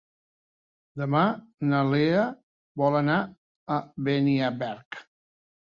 Demà na Lea vol anar a Beniarbeig.